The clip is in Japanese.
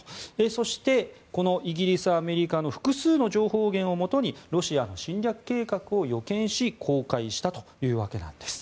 そしてこのイギリス、アメリカの複数の情報源をもとにロシアの侵略計画を予見し公開したというわけなんです。